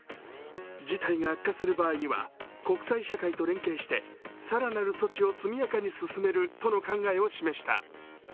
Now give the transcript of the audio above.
事態が悪化する場合には国際社会と連携して更なる措置を速やかに進めるとの考えを示した。